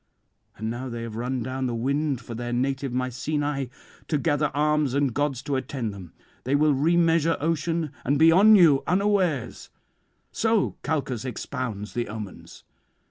And now they have run down the wind for their native Mycenae, to gather arms and gods to attend them; they will remeasure ocean and be on you unawares. So Calchas expounds the omens.